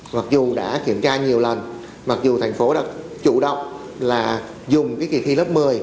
mặc dù đã kiểm tra nhiều lần mặc dù thành phố đã chủ động là dùng cái kỳ thi lớp một mươi